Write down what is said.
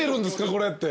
これ」って。